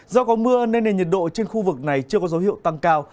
do có mưa nên nền nhiệt độ trên khu vực này chưa có dấu hiệu tăng cao